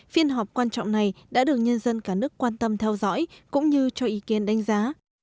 phiên họp quan trọng này đã được nhân dân cả nước quan tâm theo dõi cũng như cho ý kiến đánh giá